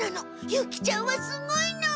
ユキちゃんはすごいの！